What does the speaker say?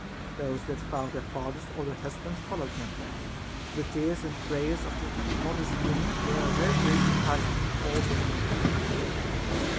Those that found their fathers or their husbands followed them ; for the tears and prayers of the modest women were a very great incitement to all they met.